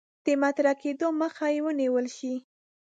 د مطرح کېدلو مخه یې ونیول شي.